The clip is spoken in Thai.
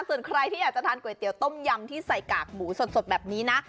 ส่วนใครที่อยากจะทานก๋วยเตี๋ยต้มยำที่ใส่กากหมูสดแบบนี้นะ